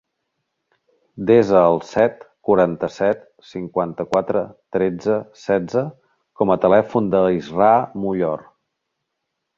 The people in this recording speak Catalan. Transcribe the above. Desa el set, quaranta-set, cinquanta-quatre, tretze, setze com a telèfon de l'Israa Mullor.